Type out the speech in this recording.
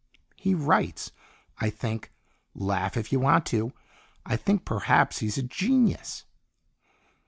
"He writes. I think laugh if you want to! I think perhaps he's a genius."